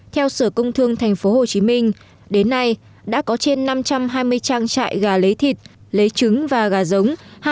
theo sở công thương tp hcm đến nay đã có trên năm trăm hai mươi trang trại gà lấy thịt lấy trứng và gà giống